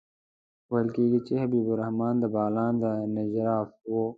ویل کېږي چې حبیب الرحمن د بغلان د نجراب وو.